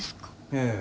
ええ。